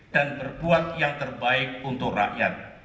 dan berbuat yang terbaik untuk rakyat